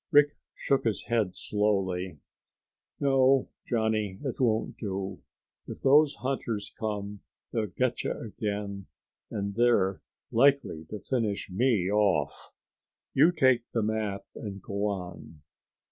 Rick shook his head slowly. "No, Johnny, it won't do. If those hunters come they'll get you again and they're likely to finish me off. You take the map and go on...."